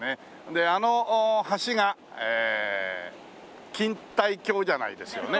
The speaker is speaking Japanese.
であの橋が錦帯橋じゃないですよね。